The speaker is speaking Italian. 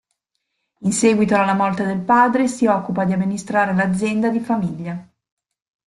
In seguito alla morte del padre, si occupa di amministrare l'azienda di famiglia.